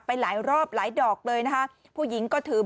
ไป